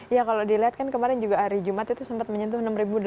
ya kalau dilihat kan kemarin juga hari jumat itu sempat menyentuh enam delapan ratus